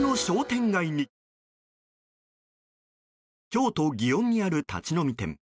京都・祇園にある立ち飲み店。